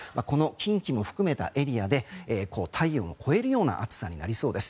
近畿も含めたエリアで体温を超えるような暑さになりそうです。